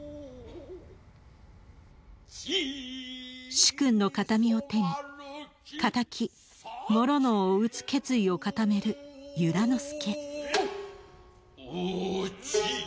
主君の形見を手に敵師直を討つ決意を固める由良之助。